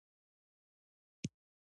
شېرمحمد يوې کوڅې ته ور تاو شو.